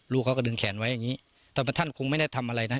ลูกเขาก็ดึงแขนไว้อย่างนี้แต่ว่าท่านคงไม่ได้ทำอะไรนะ